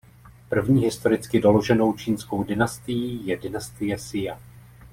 První historicky doloženou čínskou dynastií je dynastie Sia.